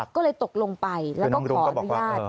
ก็เลยตกลงไปแล้วก็ขออนุญาต